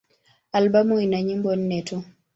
Albamu ina nyimbo nne tu.